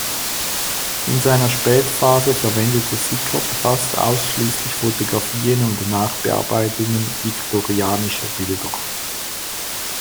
In seiner Spätphase verwendete Sickert fast ausschließlich Fotografien und Nachbearbeitungen viktorianischer Bilder.